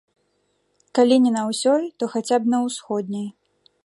Калі не на ўсёй, то хаця б на ўсходняй.